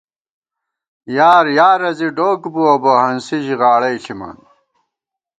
یار یارہ زی ڈوک بُوَہ بہ، ہنسی ژِی غاڑَئی ݪِمان